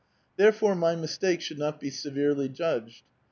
Therefore my mistake should not be severely judged.